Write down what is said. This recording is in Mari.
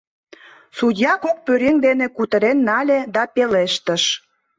Судья кок пӧръеҥ дене кутырен нале да пелештыш: